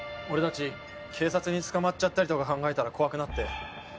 俺たち警察に捕まっちゃったりとか考えたら怖くなって。